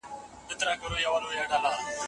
د اړمنو کسانو سره همدردي د زړه نرمي پیدا کوي.